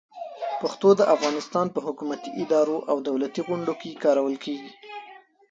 پښتو د افغانستان په حکومتي ادارو او دولتي غونډو کې کارول کېږي.